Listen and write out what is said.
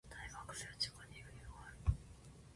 大学生は時間に余裕がある。